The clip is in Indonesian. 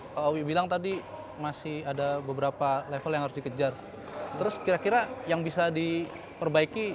pak awi bilang tadi masih ada beberapa level yang harus dikejar terus kira kira yang bisa diperbaiki